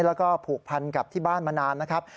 แล้วก็ผูกพันกับที่บ้านมานานนะครับ